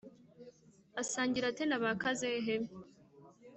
asangira ate na ba Kazehe?